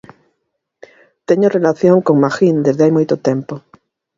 Teño relación con Magín desde hai moito tempo.